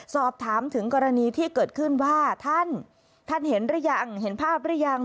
สอบถามถึงกรณีที่เกิดขึ้นว่าท่านท่านเห็นหรือยังเห็นภาพหรือยัง